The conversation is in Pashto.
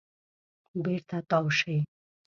بېرته تاو شئ .